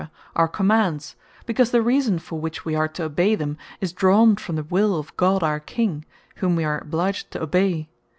are Commands; because the reason for which we are to obey them, is drawn from the will of God our King, whom we are obliged to obey.